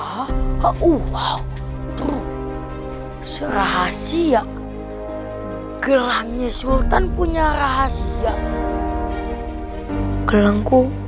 hai ha ha oh wow hai have ceras siang gelangnya sultan punya rahasia gelangku